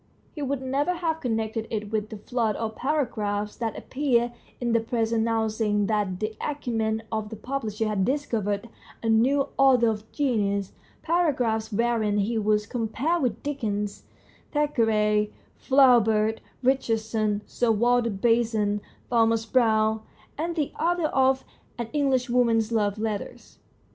He would never have connected it with the flood of paragraphs that appeared in the Press announcing that the acumen of the publisher THE STORY OF A BOOK 131 had discovered a new author of genius para graphs wherein he was compared with Dickens, Thackeray, Flaubert, Richardson, Sir Walter Besant, Thomas Browne, and the author of " An Englishwoman's Love letters."